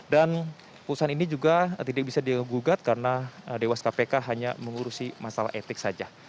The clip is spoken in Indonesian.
dan putusan ini juga tidak bisa digugat karena dewas kpk hanya mengurusi masalah etik saja